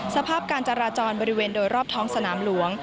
สภาพการจราจรบริเวณโดยรอบท้องสนามหลวง